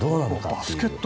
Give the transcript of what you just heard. バスケット